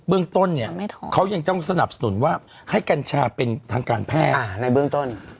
เรื่องต้นเนี่ยเขายังต้องสนับสนุนว่าให้กัญชาเป็นทางการแพทย์ในเบื้องต้น